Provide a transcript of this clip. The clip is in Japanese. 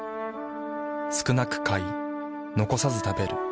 少なく買い残さず食べる。